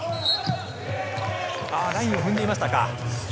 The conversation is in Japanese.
ラインを踏んでいましたか。